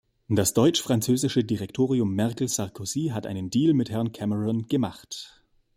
Das deutsch-französische Direktorium Merkel-Sarkozy hat einen Deal mit Herrn Cameron gemacht.